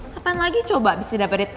kapan lagi coba abis didapetin